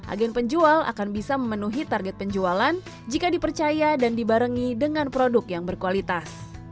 agen penjual akan bisa memenuhi target penjualan jika dipercaya dan dibarengi dengan produk yang berkualitas